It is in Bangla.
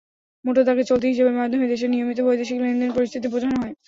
মোটা দাগে চলতি হিসাবের মাধ্যমে দেশের নিয়মিত বৈদেশিক লেনদেন পরিস্থিতি বোঝানো হয়।